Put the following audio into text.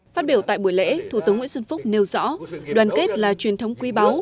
phát biểu tại buổi lễ thủ tướng nguyễn xuân phúc nêu rõ đoàn kết là truyền thống quý báu